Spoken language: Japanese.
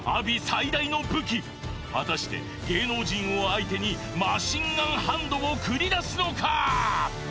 最大の武器果たして芸能人を相手にマシンガンハンドを繰り出すのか？